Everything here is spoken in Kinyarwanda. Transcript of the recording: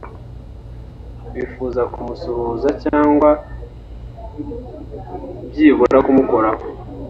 bifuza kumusuhuza cyangwa byibura kumukoraho